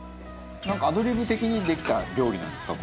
なんかアドリブ的にできた料理なんですか？